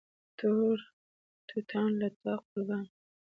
تور توتان له تا قربان